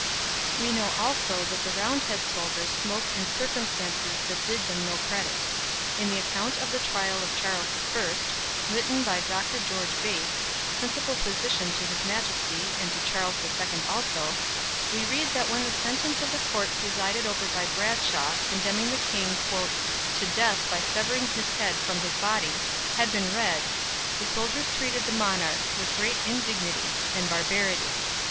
We know also that the Roundhead soldiers smoked in circumstances that did them no credit. In the account of the trial of Charles I, written by Dr. George Bates, principal physician to his Majesty, and to Charles II also, we read that when the sentence of the Court presided over by Bradshaw, condemning the King "to death by severing his Head from his Body," had been read, the soldiers treated the fallen monarch with great indignity and barbarity.